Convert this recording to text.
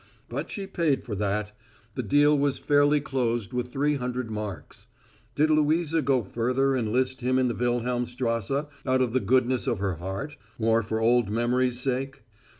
But she paid for that; the deal was fairly closed with three hundred marks. Did Louisa go further and list him in the Wilhelmstrasse out of the goodness of her heart, or for old memory's sake?